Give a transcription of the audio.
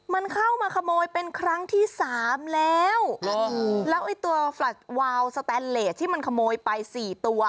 มันเข้ามาขโมยเป็นครั้งที่สามแล้วแล้วไอ้ตัวแลตวาวสแตนเลสที่มันขโมยไปสี่ตัว